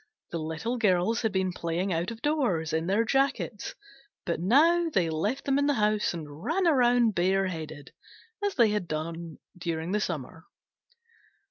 The Little Girls had been playing out of doors in their jackets, but now they left them in the house and ran around bare headed, as they had done during the summer.